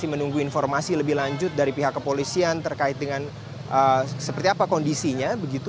kita menunggu informasi lebih lanjut dari pihak kepolisian terkait dengan seperti apa kondisinya